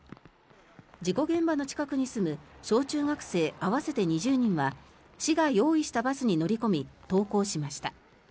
事故現場の近くに住む小中学生合わせて２０人は市が用意したバスに乗り込み登校しました。